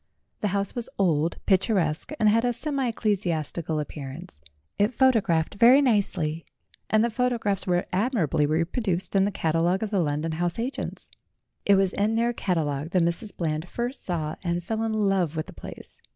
The house was old, picturesque, and had a semi ecclesiastical appearance; it photo gfaphed very nicely, and the photographs were ad mirably reproduced in the catalogue of the London house agents. It was in their catalogue that Mrs. Bland first saw and fell in love with the place.